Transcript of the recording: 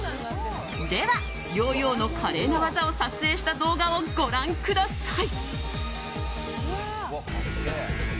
では、ヨーヨーの華麗な技を撮影した動画をご覧ください。